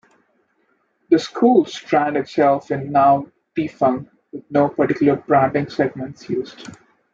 The schools strand itself is now defunct, with no particular branding segment used.